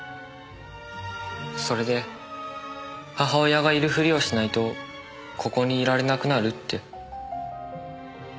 それで母親がいるふりをしないとここにいられなくなるって。